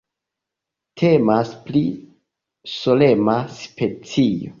Temas pri solema specio.